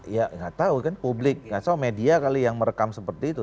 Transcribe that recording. ya gak tau kan publik gak tau media kali yang merekam seperti itu